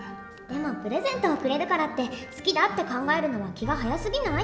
でもプレゼントをくれるからって好きだって考えるのは気が早すぎない？